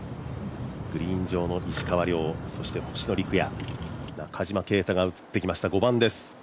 グリーン上の石川遼そして星野陸也、中島啓太が映ってきました、５番です。